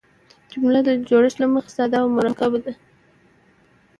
جمله د جوړښت له مخه ساده او مرکبه ده.